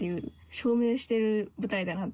証明してる舞台だなって。